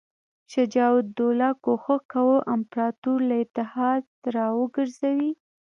شجاع الدوله کوښښ کاوه امپراطور له اتحاد را وګرځوي.